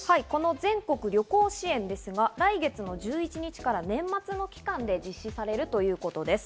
全国旅行支援ですが、来月１１日から年末までの期間で実施されるということです。